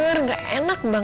mbah mbah mbah